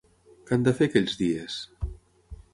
Què han de fer aquells dies?